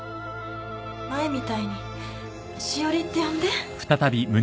前みたいに詩織って呼んで。